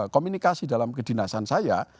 komunikasi dalam kedinasan saya